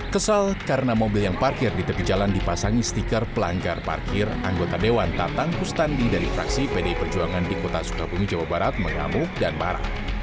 kesal karena mobil yang parkir di tepi jalan dipasangi stiker pelanggar parkir anggota dewan tatang kustandi dari fraksi pdi perjuangan di kota sukabumi jawa barat mengamuk dan marah